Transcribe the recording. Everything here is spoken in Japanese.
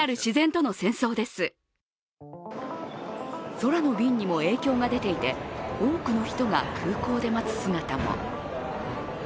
空の便にも影響が出ていて多くの人が空港で待つ姿も。